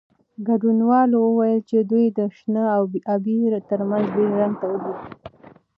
ګډونوالو وویل چې دوی د شنه او ابي ترمنځ بېل رنګ ولید.